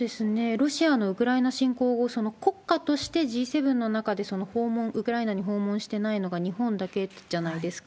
ロシアのウクライナ侵攻後、その国家としてＧ７の中で訪問、ウクライナに訪問してないのが日本だけじゃないですか。